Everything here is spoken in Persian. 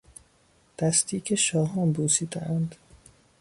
دستی که شاهان بوسیدهاند